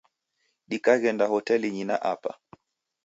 Dikaghenda hotelinyi na apa.